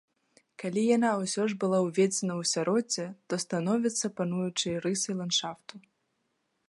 Калі яна ўсё ж была ўведзена ў асяроддзе, то становіцца пануючай рысай ландшафту.